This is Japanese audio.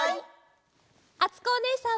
あつこおねえさんも！